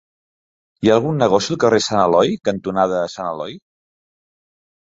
Hi ha algun negoci al carrer Sant Eloi cantonada Sant Eloi?